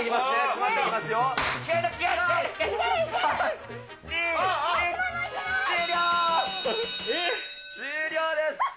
終了です。